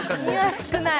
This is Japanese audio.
少ない！